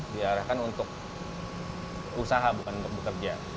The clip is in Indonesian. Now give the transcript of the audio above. diarahkan untuk usaha bukan untuk bekerja